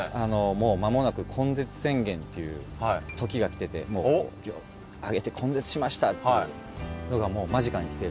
もう間もなく根絶宣言っていう時が来てて手を挙げて根絶しましたっていうのがもう間近に来ているので。